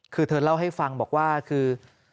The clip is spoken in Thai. คือเธอเล่าให้ฟังบอกว่าคือ